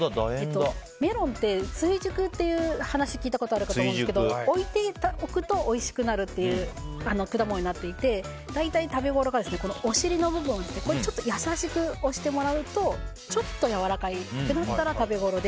メロンって追熟という話聞いたことあると思うんですけど置いておくとおいしくなるっていう果物になっていて大体、食べごろがお尻の部分を優しく押してもらうとちょっとやわらかいってなったら食べごろで。